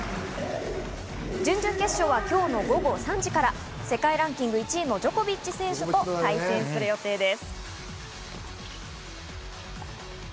準々決勝は今日の午後３時から、世界ランキング１位のジョコビッチ選手と対戦する予定です。